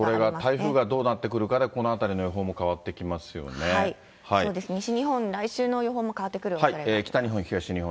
台風がどうなってくるかで、この辺りの予報も変わってきますそうです、西日本、来週の予報も変わってくるんじゃないかと。